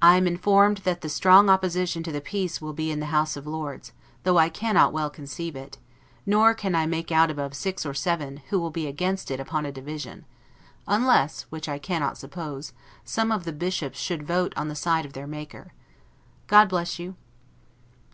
I am informed that the strong opposition to the peace will be in the House of Lords, though I cannot well conceive it; nor can I make out above six or seven, who will be against it upon a division, unless (which I cannot suppose) some of the Bishops should vote on the side of their maker. God bless you.